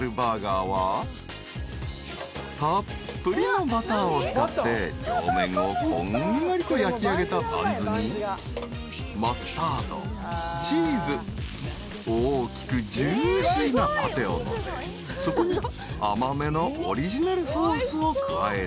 ［たっぷりのバターを使って両面をこんがりと焼きあげたバンズにマスタードチーズ大きくジューシーなパテをのせそこに甘めのオリジナルソースを加える］